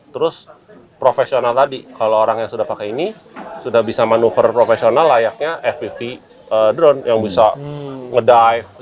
terus profesional tadi kalau orang yang sudah pakai ini sudah bisa manuver profesional layaknya fpv drone yang bisa ngedive